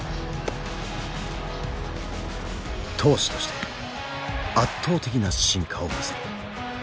投手として圧倒的な進化を見せる。